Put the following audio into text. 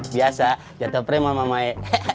biasa jatuh prima mama e